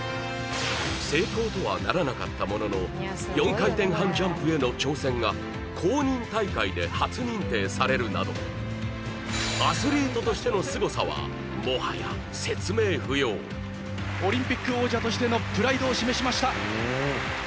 成功とはならなかったものの４回転半ジャンプへの挑戦が公認大会で初認定されるなどアスリートとしてのオリンピック王者としてのプライドを示しました